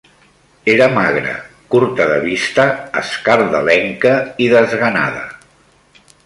Era magre, curta de vista, escardalenca i desganada